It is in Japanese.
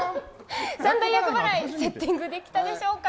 三大厄払い、セッティングできたでしょうか。